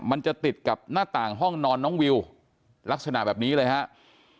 มันจะติดกับหน้าต่างห้องนอนน้องวิวลักษณะแบบนี้เลยครับ